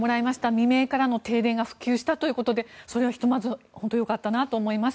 未明からの停電が復旧したということでそれはひとまず本当によかったなと思います。